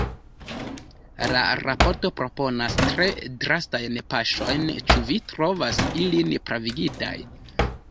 La raporto proponas tre drastajn paŝojn, ĉu vi trovas ilin pravigitaj?